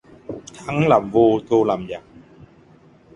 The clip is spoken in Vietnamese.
Thắng làm vua thua làm giặc